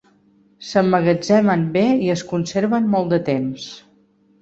S'emmagatzemen bé i es conserven molt de temps.